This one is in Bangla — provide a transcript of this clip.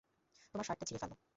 তোমার শার্টটা ছিঁড়ে ফেলো!